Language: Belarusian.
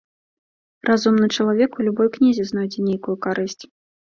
Разумны чалавек у любой кнізе знойдзе нейкую карысць.